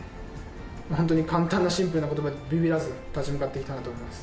本当に簡単にシンプルなことばで、びびらず立ち向かっていきたいと思います。